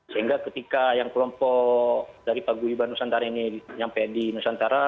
sehingga ketika yang kelompok dari pak guhiban nusantara ini sampai di nusantara